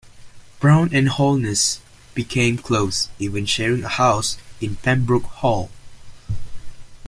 Brown and Holness became close, even sharing a house in Pembroke Hall.